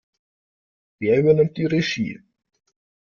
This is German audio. Wer übernimmt die Regie?